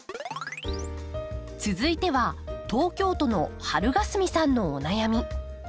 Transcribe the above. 続いては東京都のはるがすみさんのお悩み。